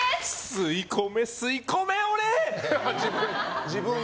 吸い込め、吸い込め、俺！